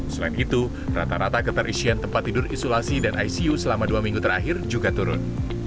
selain itu rata rata keterisian tempat tidur isolasi dan icu selama dua minggu terakhir juga turun